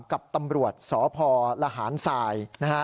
กับตำรวจสพลหารสาย